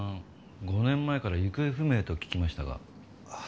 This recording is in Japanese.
５年前から行方不明と聞きましたが。